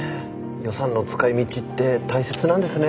予算の使いみちって大切なんですね。